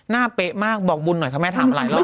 น่าเป๊ะมากบอกบุญหน่อยค่ะแม่ถามหลายรอบรอบรอบ